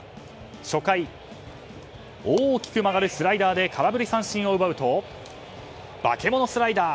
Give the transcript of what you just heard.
初回、大きく曲がるスライダーで空振り三振を奪うと化け物スライダー。